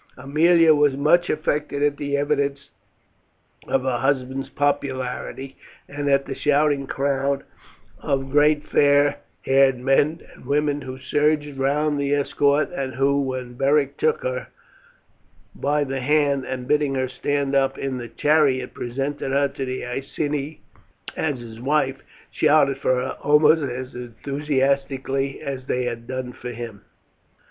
Aemilia was much affected at the evidence of her husband's popularity, and at the shouting crowd of great fair haired men and women who surged round the escort, and who, when Beric took her by the hand and bidding her stand up in the chariot presented her to the Iceni as his wife, shouted for her almost as enthusiastically as they had done for him.